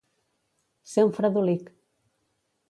Ser un fredolic.